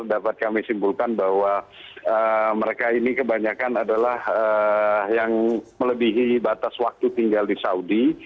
dapat kami simpulkan bahwa mereka ini kebanyakan adalah yang melebihi batas waktu tinggal di saudi